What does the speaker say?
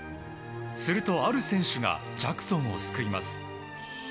すると、ある選手がジャクソンを救います。